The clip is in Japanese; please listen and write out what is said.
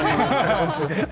本当に。